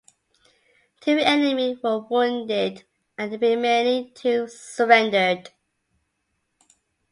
Two enemy were wounded and the remaining two surrendered.